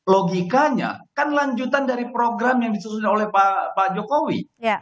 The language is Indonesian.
logikanya kan lanjutan dari program yang disusun oleh pak jokowi